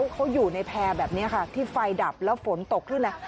เขาอยู่ในแพร่แบบนี้ค่ะที่ไฟดับแล้วฝนตกขึ้นแล้ว